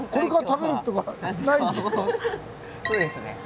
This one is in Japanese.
そうですね。